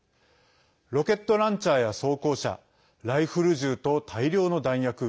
ロケットランチャーや装甲車ライフル銃と大量の弾薬。